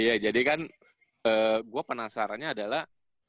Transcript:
iya jadi kan gua penasarannya adalah